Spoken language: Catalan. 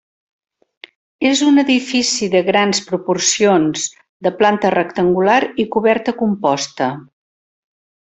És un edifici de grans proporcions, de planta rectangular i coberta composta.